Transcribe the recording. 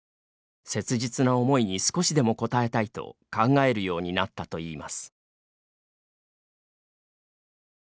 切実な思いに少しでも応えたいと考えるようになったといいます。